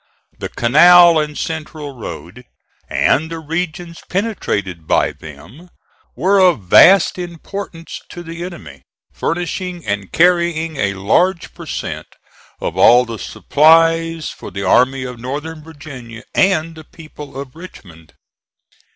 The canal and Central Road, and the regions penetrated by them, were of vast importance to the enemy, furnishing and carrying a large per cent. of all the supplies for the Army of Northern Virginia and the people of Richmond.